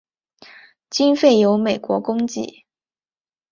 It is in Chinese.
经费由美国供给。